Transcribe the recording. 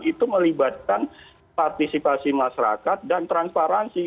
itu melibatkan partisipasi masyarakat dan transparansi